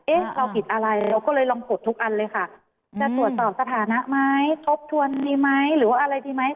เราผิดอะไรเราก็เลยลองกดทุกอันเลยค่ะจะตรวจสอบสถานะไหมทบทวนดีไหมหรือว่าอะไรดีไหม